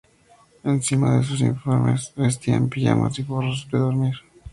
Encima de sus uniformes vestían pijamas y gorros de dormir.